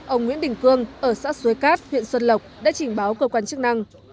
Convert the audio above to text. ông nguyễn đình cương ở xã xuối cát huyện xuân lộc đã trình báo cơ quan chức năng